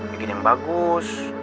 bikin yang bagus